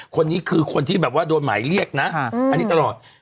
คนนี้คือคนที่แบบว่าโดนหมายเรียกนะอันนี้ตลอด